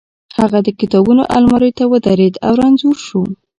هغه د کتابونو المارۍ ته ودرېد او رنځور شو